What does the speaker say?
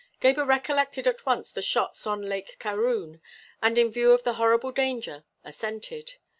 Gebhr recollected at once the shots on Lake Karûn and in view of the horrible danger, assented.